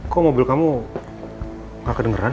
kok mobil kamu gak kedengeran